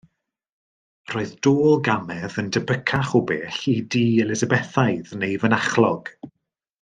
Roedd Dôl Gamedd yn debycach o bell i dŷ Elizabethaidd neu fynachlog.